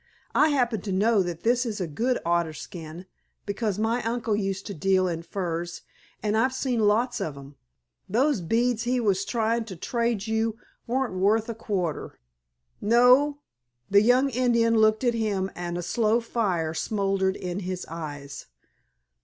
I happen to know that this is a good otter skin, because my uncle used to deal in furs and I've seen lots of 'em. Those beads he was tryin' to trade you weren't worth a quarter." "No?" the young Indian looked at him and a slow fire smouldered in his eyes.